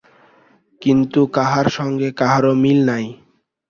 কিন্তু কাহার সঙ্গে কাহারও মিল নাই।